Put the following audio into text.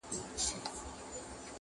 تۀ راته ووايه چې څۀ په کربلا کښې شوي